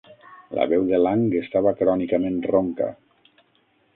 La veu de Lang estava crònicament ronca.